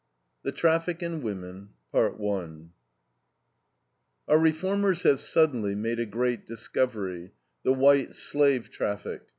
THE TRAFFIC IN WOMEN Our reformers have suddenly made a great discovery the white slave traffic.